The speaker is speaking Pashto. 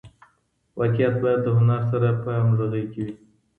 واقعیت باید له هنر سره په همغږۍ کي وي.